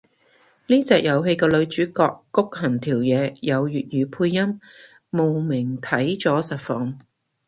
呢隻遊戲個女主角谷恆條嘢有粵語配音，慕名睇咗實況